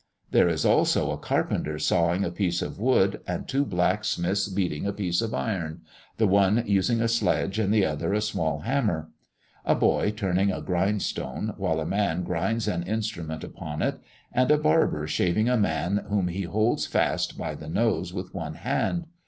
There is also a carpenter sawing a piece of wood, and two blacksmiths beating a piece of iron, the one using a sledge, and the other a small hammer; a boy turning a grindstone, while a man grinds an instrument upon it; and a barber shaving a man, whom he holds fast by the nose with one hand.